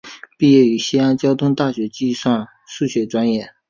毕业于西安交通大学计算数学专业。